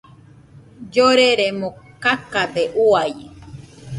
Lloreremo kakade uai.